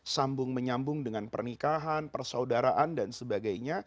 sambung menyambung dengan pernikahan persaudaraan dan sebagainya